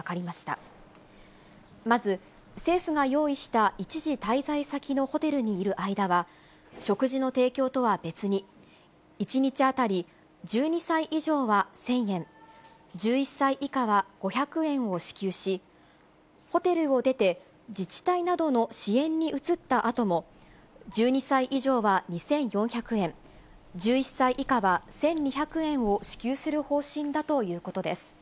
まず、政府が用意した一時滞在先のホテルにいる間は、食事の提供とは別に、１日当たり１２歳以上は１０００円、１１歳以下は５００円を支給し、ホテルを出て自治体などの支援に移ったあとも、１２歳以上は２４００円、１１歳以下は１２００円を支給する方針だということです。